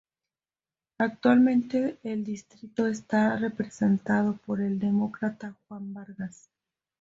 Actualmente el distrito está representado por el Demócrata Juan Vargas.